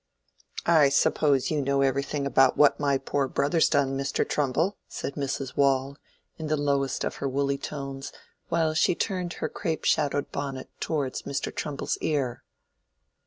"I suppose you know everything about what my poor brother's done, Mr. Trumbull," said Mrs. Waule, in the lowest of her woolly tones, while she turned her crape shadowed bonnet towards Mr. Trumbull's ear.